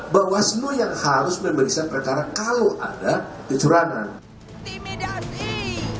bawah selu yang harus memberikan perkara kalau ada kecurangan